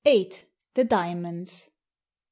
THE DIAMONDS I.